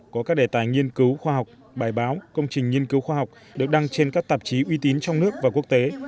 có các đề tài nghiên cứu khoa học bài báo công trình nghiên cứu khoa học được đăng trên các tạp chí uy tín trong nước và quốc tế